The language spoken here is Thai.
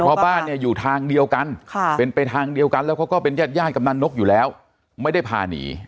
เพราะบ้านเนี่ยอยู่ทางเดียวกันเป็นไปทางเดียวกันแล้วเขาก็เป็นญาติญาติกำนันนกอยู่แล้วไม่ได้พาหนี